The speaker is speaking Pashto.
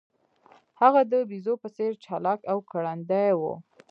هغه د بیزو په څیر چلاک او ګړندی و.